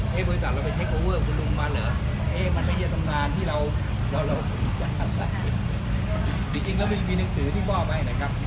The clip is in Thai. เฮ้บริษัทเราไปเทคโอเวอร์กับคุณลุงมาเหรอมันไม่ใช่จำนานที่เราจริงแล้วมีหนังสือที่บอกไหมนะครับ